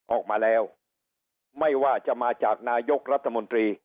ออกมาแล้วไม่ว่าจะมาจากนายกรัฐมนตรี